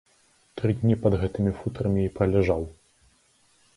Тры дні пад гэтымі футрамі і праляжаў.